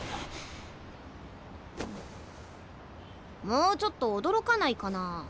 もうちょっと驚かないかなあ。